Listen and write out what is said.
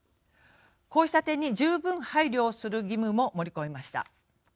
こうした点に十分配慮する義務も盛り込みました。